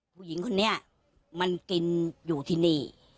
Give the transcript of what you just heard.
ผู้หญิงคนนี้มันกินอยู่ที่นี่